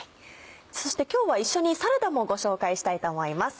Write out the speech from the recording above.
そして今日は一緒にサラダもご紹介したいと思います。